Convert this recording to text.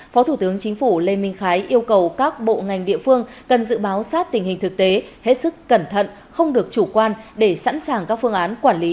phó thủ tướng chính phủ lê minh khái yêu cầu các bộ ngành địa phương cần dự báo sát tình hình thực tế hết sức cẩn thận không được chủ quan để sẵn sàng các phương án quản lý